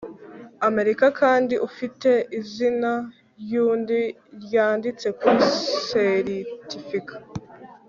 amerika kandi ufite izina ryundi ryanditse kuri seritifika